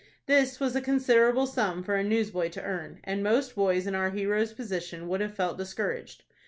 This was a considerable sum for a newsboy to earn, and most boys in our hero's position would have felt discouraged.